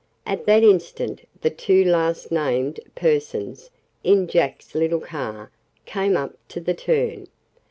At that instant the two last named persons, in Jack's little car, came up to the turn.